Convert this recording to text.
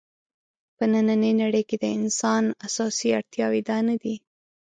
په نننۍ نړۍ کې د انسان اساسي اړتیاوې دا نه دي.